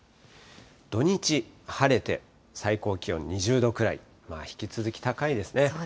土日、晴れて最高気温２０度くらい、引き続き高いですね。